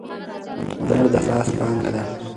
هنر د لاس پانګه ده.